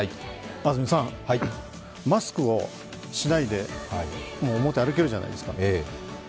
安住さん、マスクをしないでもう表を歩けるじゃないですか。